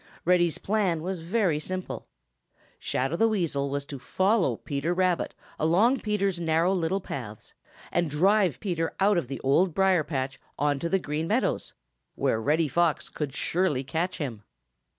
Reddy's plan was very simple. Shadow the Weasel was to follow Peter Rabbit along Peter's narrow little paths and drive Peter out of the Old Briar patch on to the Green Meadows, where Reddy Fox could surely catch him.